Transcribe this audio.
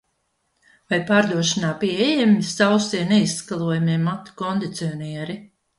Vai pārdošanā pieejami sausie, neizskalojamie matu kondicionieri?